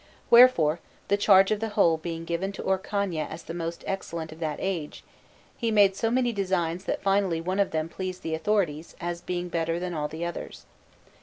Wherefore, the charge of the whole being given to Orcagna as the most excellent of that age, he made so many designs that finally one of them pleased the authorities, as being better than all the others.